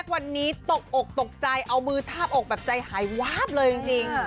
วันนี้ตกอกตกใจเอามือทาบอกแบบใจหายวาบเลยจริง